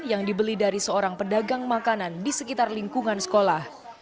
yang dibeli dari seorang pedagang makanan di sekitar lingkungan sekolah